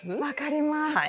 分かります。